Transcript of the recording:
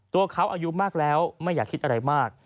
ตัวเขาอายุมากแล้วไม่อยากคิดอะไรมาก